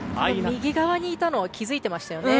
右側にいたのは気づいてましたよね。